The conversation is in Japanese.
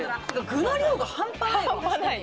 具の量が半端ない。